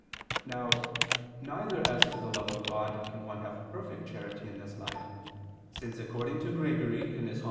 Now, neither as to the love of God can one have perfect charity in this life, since according to Gregory (Hom.